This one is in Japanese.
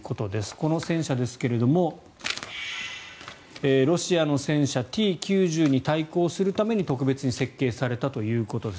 この戦車ですが、ロシアの戦車Ｔ９０に対抗するために特別に設計されたということです。